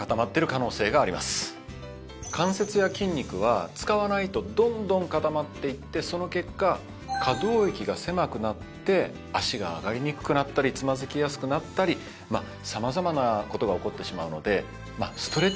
関節や筋肉は使わないとどんどん固まっていってその結果可動域が狭くなって足が上がりにくくなったりつまずきやすくなったり様々な事が起こってしまうので。